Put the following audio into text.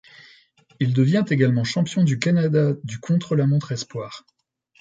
Il devient également champion du Canada du contre-la-montre espoirs.